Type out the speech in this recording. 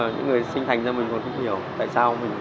những người sinh thành ra mình còn không hiểu tại sao mình